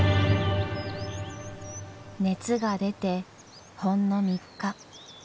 熱が出てほんの３日。